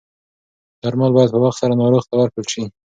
درمل باید په وخت سره ناروغ ته ورکړل شي.